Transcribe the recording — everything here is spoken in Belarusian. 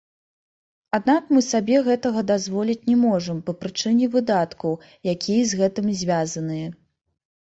Аднак мы сабе гэтага дазволіць не можам па прычыне выдаткаў, якія з гэтым звязаныя.